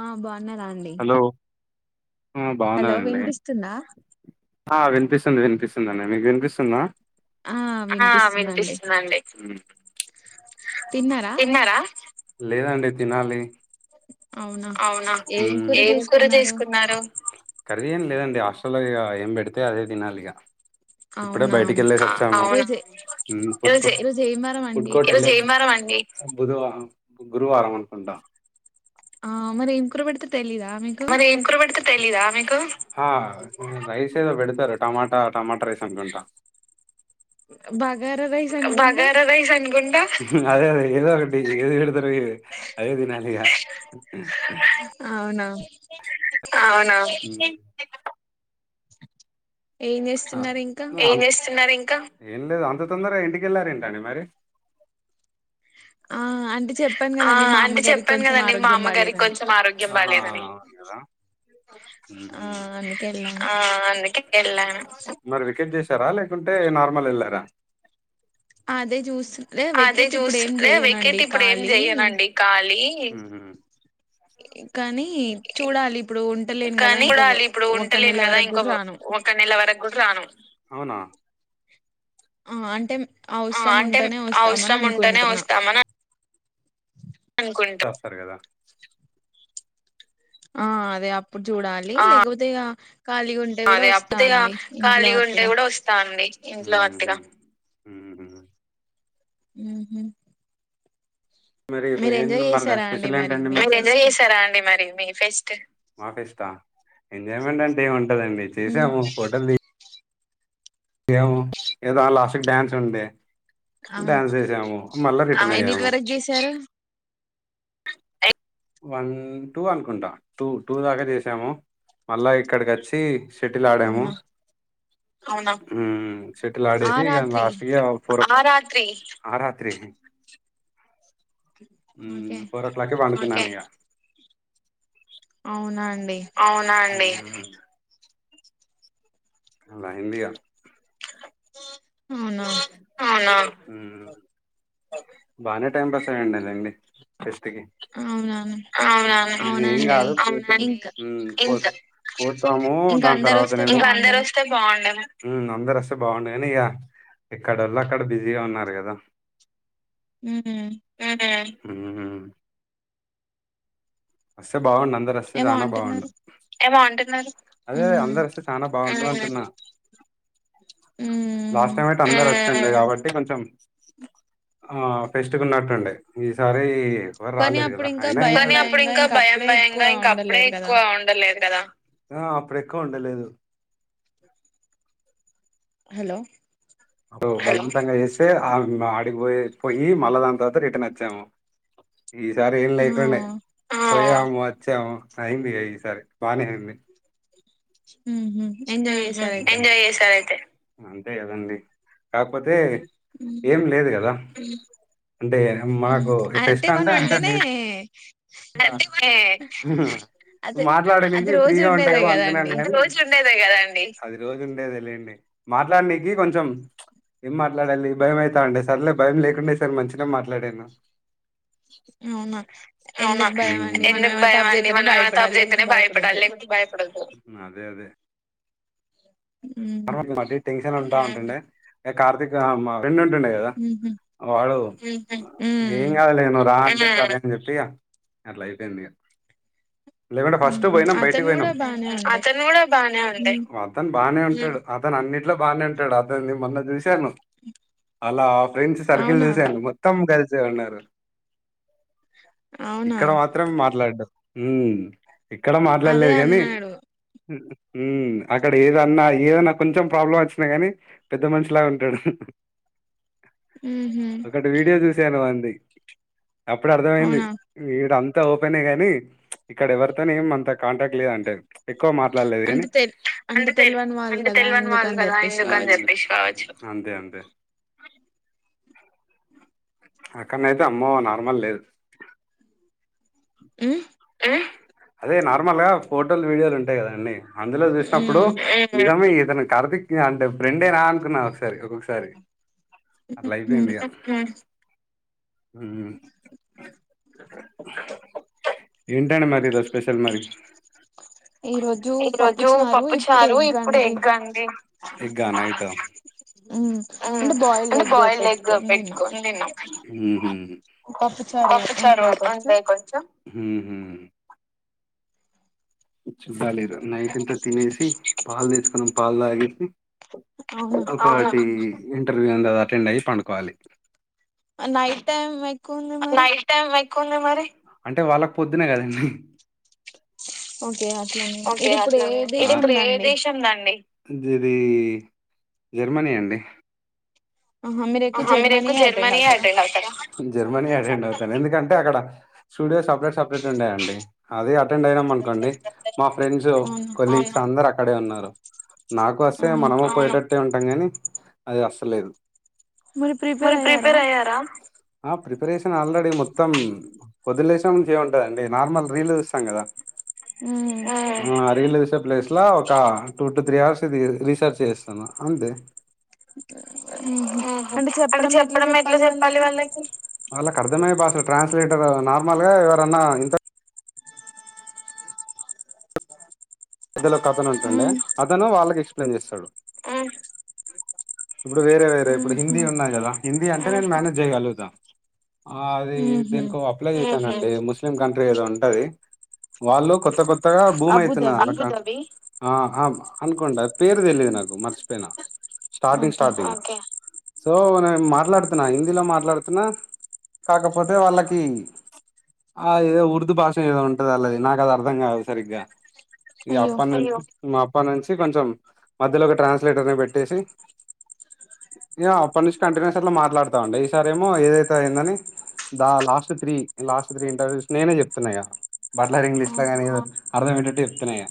ఆ బాగున్నారా అండి ఆ బాగున్నానండి ఆ వినిపిస్తుంది వినిపిస్తు దండి మీకు వినిపిస్తుంద ఆ వినిపిస్తుందండి తిన్నారా లేదండి తినాలి అవునా ఊ ఏం కూర తీసుకున్నారు కర్రి లేదండి హాస్టల్లో ఇక ఏం పెడితే అదే తినాలి ఇక ఇప్పుడే బయటికి వెళ్ళేసి వచ్చాము అవున ఊ ఫుడ్కో ఈ రోజుయె ఫుడ్కోర్ట్ ఈ రోజు ఎంవరమండి బుధవ ఆహా గురువారం అనుకుంటా ఆ మరి కూర పెడుతుర్ మరే ఎంకురపెడతార్ తెలిదా మీకు ఆ రైస్ ఏదో పెడతారు టమాటా టమాటా రైస్ అనుకుంటా బా బగార రైన్ అనుకుంటా అదే అదే ఏదొ ఒకటి ఏది పెడుతురు అదే తినాలిగా అవునా ఊ అ ఏం చేస్తున్నారు ఇం ఇంకా ఏం లేదు అంత తొందర ఇంటికెళ్ళారూ ఏంటండీ మరి ఆ అంటే చెప్పాను కదండి మా అమ్మగారికి కొంచెం ఆరోగ్యం బాలేదని ఆ అవును కదా ఆ అందుకెళ్లాన్ మరి వేకెట్ చేసారా లేకుంటే నార్మల్ వెళ్ళారా అదే చూస్తు వెకెట్ ఇప్పుడు ఏం చేయనండి ఇప్పుడు ఏం చెయనండి ఖాళీ ఇ కానీ చూడాలి ఇప్పుడు ఉంటలేను కదా ఇంకో ఒకే నెల వరకు కూడా రాను ఆ అంటేం అవసరం ఉంటేనే వస్తామని అనుకుంటున్నా వస్తారు కదా ఆ అదే అప్పుడు చూడాలి లేకపోతే ఇగా అదే కాకపోతే ఇగ ఖాళీగా ఉంటే కూడా వస్తంది ఇంట్లో వట్టిగా ఉహు ఉహు మరి ఎన్ మరీ స్పెషల్ ఏంటండీ ఎంజాయ్ చేశారని మీ పేస్ట్ మా పేస్టా ఎంజాయ్మెంట్ అంటే ఏముంటదండి చేసాము ఫోటోలు తీ గాము ఏదో ఆ లాస్ట్ కి డ్యాన్స్ ఉండే డ్యాన్స్ చేసాము మళ్ళా రిటర్న్ అయ్యాము వన్ టూ అనుకుంటా టూ టూ దాకా చేసాము మళ్ళా ఇక్కడికి వచ్చి షేటిల్ అడాము అవున హు షేటిల్ అడేసి ఇగ లాస్ట్ కి పోరా ఆ రాత్రి ఆ రాత్రి హు ఫోర్ ఓ క్లాక్ కి పండుకున్న ఇగ అవునా అండి ఉ అలా అయింది ఇగ అవునా హు బానే టైం పాస్ అయ్యుండే లెండి ఫెస్ట్కికి అవునా ఏం కాదు అవునండి ఊ ఇంత పోతాము దాని తర్వాత నేమో ఊ అందరు వస్తే బాగుండు కానీ ఇక ఎక్కడోళ్ళు అక్కడ బిజీగా ఉన్నారు కదా ఉహు ఉహు వస్తే బాగుండు అందరు వస్తే చనా బాగుండు అదే అందరు వస్తే చానా బాగుండు అంటున్నా లాస్ట్ టైమ్ అయితే అందరు వచ్ ఆ కాబట్టి కొంచెం ఆ పెస్ట్ కు ఉన్నట్టుండే ఈసారి కానీ అప్పుడు ఇంకా భయం భయంగా ఇంకా అప్పుడే ఎక్కువ ఉండలేదు ఆ అప్పుడు ఎక్కువ ఉండలేదు హలో అడు బలవంతంగా చేస్తే ఆ ఆడికిపోయి పోయి మళ్ళా దాని తర్వాత రిటర్న్ వచ్చాము ఈసారి ఏం లేకుండే వచ్చాము అయింది ఈసారి బానే అయింది ఉహు ఎంజాయ్ చేసారు అయితే ఏం లేదు కదా అంటే మనకు ఫెస్ట్ అంటే అంటే ఆ నువ్వు మాట్లాడడానికి ఫ్రీగా ఉంటావు ఏమో అని అంటకున్నాను ఆది రోజు ఉండేదే లేండి మాట్లాడినికి కొంచెం ఏం మాట్లాడాలి భయం అయతాండ సార్లే భయం లేకుండే సార్ మంచిగా మాట్లాడాను అవునా అవునా ఎందుకు భయం అండి మనం ఏమైనా తప్పు చెత్తేనే భయపడాలి లేకపోతే భయపడద్దు అదే అదే మళ్ళీ టెన్షన్ పడ ట అంటుండే ఏ కార్తీక్ అమ ఫ్రెండ్ ఉంటుండే కదా వాడు ఏం కాదు లే నువ్వు రా చెప్పి ఇగ అట్లా అయిపోయింది ఇగ లేకుంటే ఫస్ట్ పోయినాం బయటికి పోయినామ్ అతను బాగానే ఉంటాడు అతను అన్నిట్లో బానే ఉంటాడు అతనుని మొన్న చూసి తాను అలా ఫ్రెండ్స్ సర్కిల్ చూసాను మొత్తం గర్ల్స్ దే ఉన్నారు ఇక్కడ మాత్రం మాట్లాడడు ఊ ఇక్కడ మాట్లాడలేదు కానీ ఊ అక్కడ ఏదన్నా ఏదన్నా కొంచెం ప్రాబ్లం వచ్చినా గాని పెద్ద మనిషిలా ఉంటాడు ఒకటి వీడియో చూశాను వాంది అప్పుడు అర్ధమయింది ఇడా అంతా ఓపెనేగాని ఇక్కడ ఎవరితోనే ఏం అంత కాంటాక్ట్ లేదు అంటేఎక్కువ మాట్లాడలేదు కానీ అంతే అంతే అక్కన్నైతే అమ్మో నార్మల్ లేదు మ్మ్ అదే నార్మల్ గా ఫోటోలు వీడియోలు ఉంటాయ్ కద అండి అందులో చూసినప్పుడు నిజమే ఈతను కర్దిక్ అంటే ఫ్రెండేనా అనుకున్నా ఒకసారి ఒక్కొక్కసారి అట్లా అయిపోయింది ఇగ ఊ ఏంటండి మరి ఈరోజు స్పెషల్ మరి ఈరోజు పప్పు చారు ఇప్పుడు ఎగ్ అండి ఒ అంటే బాయిల్డై ఎగ్ పెట్టుకోని దిన్నాం పప్పుచారు ఉండొ కొంచెం చూడాలి ఈరో నైట్ అంత తినేసి పాల్ తెచ్చుకున్నాం పాల్ దాగేసి ఇంకోటి ఇంటర్వ్యూ ఉంది అది అటెండ్ అయ్ పండుకోవాలి నైట్ టైమ్ ఎ నైట్ టైమ్ ఎక్కుఉంది మరి అంటే వాళ్ళకి పొద్దునే కదండి ఓకే అట్లాన ఇది ఇప్పుడు ఏ దేశంది అండి దిది జర్మనీ అండి ఆహా మీరు ఎక్కువ జర్మనీ ఏ అటెండ్ అవుతార ఎందుకంటే అక్కడ స్టూడియో సపరేట్ సపరేట్ ఉన్నాయండి అది అ అటెండ్ అయినాం అనుకోండి మా ఫ్రెండ్స్ కొలిక్స్ అందరు అక్కడే ఉన్నారు నాకు వస్సే మనమ పోయేటట్టే ఉంటాం ని అది వస్సలేదు మీరు ప్రిపేర్ అయ్యార మొత్తం పొద్దునలేసినబ్బు నుంచి ఇదే ఉంటదండి నార్మల్ రీల్లో చూస్తాం కదా ఆ ఆ రీల్లో చూ సప్ ప్లేస్ లో ఒక టూ టు త్రీ అవర్స్ ఇది రీసెర్చ్ చేస్తాను అంతే ఆహ అంటే చెప్పడం ఎట్లా చెప్పాలి వాళ్ళకి వాళ్ళకి అర్థమయ్యే భాషలు ట్రాన్స్లేటర్ నార్మల్గా ఎవరన్నా ఇంత మద్యలో ఒకతను ఉంటుండే అతను వాళ్ళకి ఎక్స్ప్లెయిన్ చేస్తాడు ఇబ్బుడు వేరే వేరే ఇప్పుడు హిందీ ఉన్నాయి కదా హిందీ అంటే నేను మేనేజ్ జేయగలుగుతా ఆ అది దీనికో అప్లై చేశానండి ముస్లిం కంట్రీ ఏదో ఉంటది వాళ్ళు కొత్త కొత్తగా భూమి అయితున్నారు ఆ అనుకోండి పేరు తెలీదు నాకు మర్చిపోయినా స్టార్టింగ్ స్టార్టింగ్ సో నేను మాట్లాడుతున్నా హిందీలో మాట్లాడుతున్నా కాకపోతే వాళ్ళకి ఆ ఏదో ఉర్దూ భాష ఏదో ఉంటది ఆల్లది నాకు అది అర్ధం కాదు సరిగ్గా అయ్యో మా అప్ప నుంచి కొంచెం మధ్యలో ఒక ట్రాన్స్లేటర్ ని పెట్టేసి ఇగ అప్పనుంచో కంటిన్యూస్ లో మాట్లాడతాండి ఈసారేమో ఏదైతే అయిందని the last three last three interviews నేనే జెప్తున్నాయ ఇగ బట్లర్ ఇంగ్లీష్ లో గానీ అర్దం అయ్యొటట్టు [unintelligible] ఇగ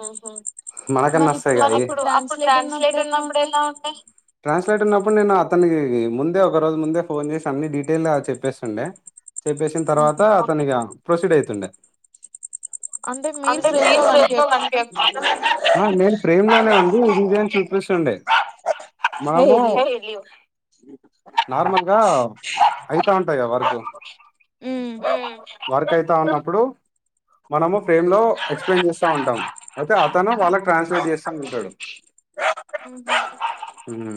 ఊహు మరి ఇప్పుడు అప్పుడు ట్రాన్స్లేట్ ఉన్నప్పుడు ఎలా ఉంటాయ్ ట్రాన్స్లేట్ ఉన్నప్పుడు నేను అతన్ని ముందే ఒక రోజు ముందే ఫోన్ చేసి అన్ని డీటెయిల్గా చెప్పేస్తుండా చెప్పేసిన తర్వాత అతనిగా ప్రొసీడ్ అయితుండే అంటే మీరు ఫ్రేమ్ లో నేన్ ఫ్రేమ్ లోనే ఉండి డిజైన్ చూపిస్తుండే మామొ నార్ మల్ గా అయితా ఉంటాయి వరుకు హ్మ్ వర్క్ అయితా ఉన్నప్పుడు మనము ఫెమ్ లో ఎక్స్ ప్లేన్ చేస్తా ఉంటాము అయితే అతను వాళ్ళకి ట్రాన్స్ లేట్ జేస్తా ఉంటడు ఉమ్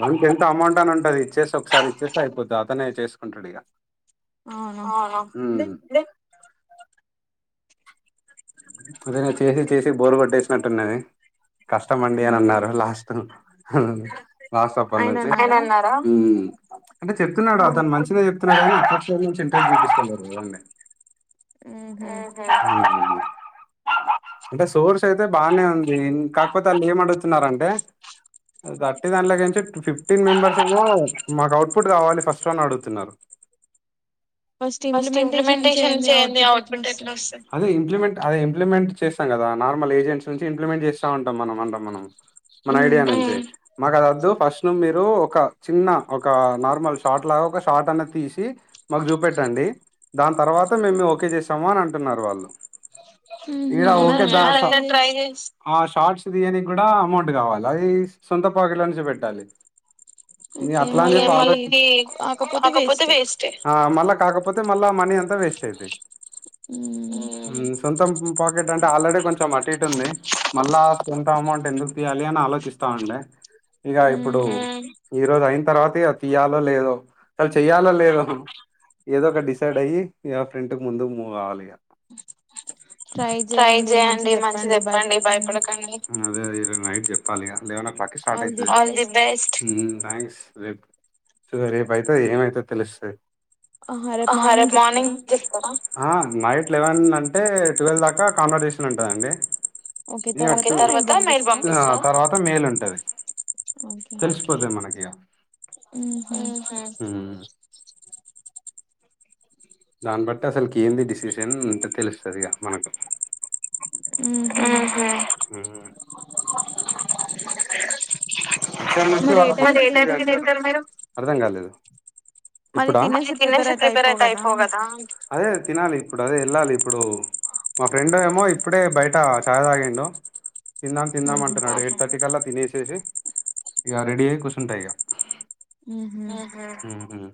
దాన్ కెంత అమౌంట్ అన్ ఉంటది ఇచేస్ ఒకసారి ఇచేస్ అయిపోత అతనే చేసుకుంటడు ఇగ అవ్ నా హ్మ్మ్ అదేనా చేసి చేసి బోర్ కొట్టేస్ నట్టున్నది కష్టమండి అని అన్నారు లాస్టున్ వాసప్ నుంచి అయ్ న్నార హ్మ్ అంటే చెప్తున్నాడు అతన్ మంచినే చెప్ తున్నాడు కాని అకష్ షామినుంచి [unintelligible] ఇంట్రెస్ట్ చూపిస్తలేదు ఓన్ దే హుమ్ హుహు అంటే సోర్స్ అయితే బానే ఉంది ఇన్ కాక్ పోతే వాళ్ళు ఏం అడుగుతున్న రంటే గట్టి దాన్ లో కెంచి ఫిఫ్ టీన్ మెంబర్స్ ఏమో మాక్ అవ్ ట్ ఫుట్ కావాలి ఫస్ట్ వన్ అడుగుతునరు ఫస్ట్ ఇంప్లిమెంటేషన్ చేయంది అవ్ ట్ పుట్ ఎట్లోస్తది అదే ఎమ్ ఇంప్లిమెంట్ అదే ఇంప్లిమెంట్ చేస్తాం కదా నార్ మల్ ఏజెంట్స్ నుంచి ఇప్లిమెంట్ చేస్త ఉంటం మనం అంటమ్ మనం మన ఐడియా నుంచి హ్మ్ మాక్ అదోద్ ద్దు ఫస్ట్ నూ మీరు ఒక చిన్న ఒక నార్మల్ షార్ట్ లా ఒక షాట్ అన్న తీసి మాక్ జుపెట్టండి దాన్ తర్వాత మీమ్ మే ఓకే చేసము అన్ అంటున్నారు వాళ్ళు ఇడ ఓకే జాత ట్రై చేస్ ఆ షార్ట్స్ తీయనికి గుడా అమౌంట్ కావాల అయిస్ సొంత పాకె ట్ లోంచిబెట్టాలి ఇంగ్ అట్లానే [unintelligible] కాకపోతే వేస్టే అ మళ్ళ కాకపోతే మళ్ళా మనీ అంత వేస్టైయిది హ్మ్ సొంతమ్ మ్ పాకెట్ అంటే ఆల్ రెడీ కొంచమ్ అట్ ఇటు ఉంది మళ్ళా సొంత అమౌంట్ ఎందుకు తీయాలి అని ఆలోచిస్త్ ఫన్ డే [unintelligible] ఇగ ఇప్పుడు హ్మ్ ఈ రోజు అయిన్ తర్వాత్ ఇగ తీయాలో లేదో తల్ చెయ్యలో లేదో ఏదో ఒక డిసైడ్ అయ్యి ఇ య ఫ్రెంట్ క్ ముందు మూ గవాలిగ ట్రై చేయండి మంచ్ చెప్పండి భయపడకండి హ్మ్ అదే దిగ నైట్ జేప్పాలిగా లెవెనో ఓ క్లాక్ కి స్టార్ట్ అవుతది all the best um thanks రేప్ సుదమ్ [unintelligible] రేప్ అయితే ఏమైతదో తెలుస్తది అహా రేప్ మార్ నింగ్ జెప్ తర ఆ నైట్ లెవెన్ అంటే టువెల్ దాకా కాన్ వర్ జేషన్ ఉంటదండి ఎ అద్ ఒకే తర్వాత మేల్ పంపిస్తారా అ తర్వాత మేల్ ఉంట్ టది తెల్ స్ పోతాయి మనకిగ ఉమ్ హ్మ్ దాన్ బట్ అసల్ కి ఏంది డిసిషన్ ఇంత [unintelligible] తెలుస్తది ఇగా మనకు హుమ్ ఉమ్ ఏ టైం కి తింటార్ మీరు అర్థం కాలేదు ఇప్పుడా ఆ తినేసి ప్రిపేర్ అయితే అయిపోవు కదా అదే తినాలి ఇపుడు అదే ఎళ్ళాలి ఇప్పుడు మా ఫ్రెండ్ ఏమో ఇప్పుడే బయట చాయి తాగిండు తిందాం తిందామ్ అంటునడు ఎయిట్ థర్టీ కల్లా తినేసేసి ఇగ రడి అయి కుసుంట ఇగా ఉమ్ ఉమ్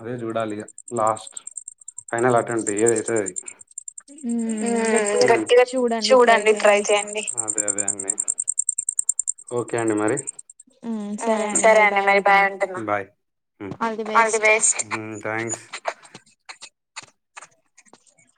అదే చూడాలి ఇగ లాస్ట్ ఫైనల్ అటెమ్ ట్ ఇయర్ ఐతది హ్మ్ గట్టిగా చూడండి ట్రై చేయండి అదే అదే అండి ఓకే అండి మరి హ్మ్ సరే అండి మరి బాయ్ ఉంటునా bye um all the best um thanks